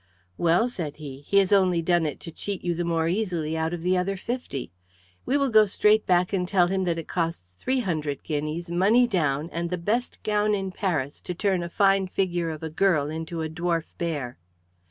"Well," said he, "he has only done it to cheat you the more easily of the other fifty. We will go straight back and tell him that it costs three hundred guineas, money down, and the best gown in Paris to turn a fine figure of a girl into a dwarf bear."